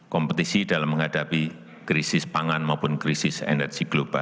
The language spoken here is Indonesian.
kompetisi dalam menghadapi krisis pangan maupun krisis energi global